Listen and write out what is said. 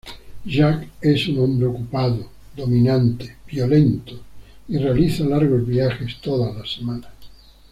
Jack es un hombre ocupado, dominante, violento y realiza largos viajes todas las semanas.